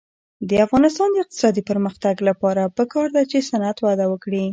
د افغانستان د اقتصادي پرمختګ لپاره پکار ده چې صنعت وده وکړي.